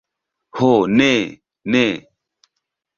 Ho ne, ne.